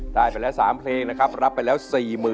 ได้ไปแล้ว๓เพลงนะครับรับไปแล้ว๔๐๐๐